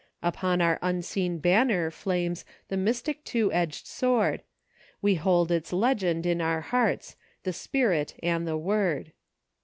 Upon our unseen banner flames The mystic two edged sword ; We hold its legend in our hearts — "The Spirit and the Word."